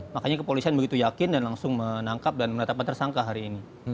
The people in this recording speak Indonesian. makanya kepolisian begitu yakin dan langsung menangkap dan menetapkan tersangka hari ini